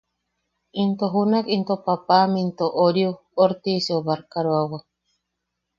Into junak itom paapam into… oriu… Ortiseu barkaroawak.